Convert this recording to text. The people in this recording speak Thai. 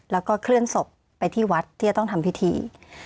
แล้วก็เคลื่อนศพไปที่วัดที่จะต้องทำพิธี